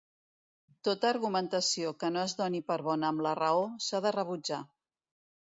Tota argumentació que no es doni per bona amb la raó, s'ha de rebutjar.